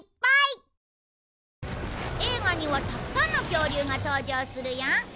映画にはたくさんの恐竜が登場するよ！